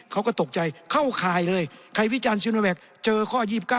เขาก็ตกใจเข้าข่ายเลยทักหิตชันซิโนแหกเจอข้อ๒๙